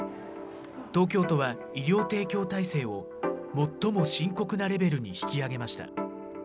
東京都は、医療提供体制を最も深刻なレベルに引き上げました。